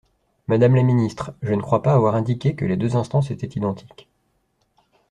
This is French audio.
Madame la ministre, je ne crois pas avoir indiqué que les deux instances étaient identiques.